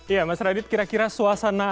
ya mas radit kira kira suasana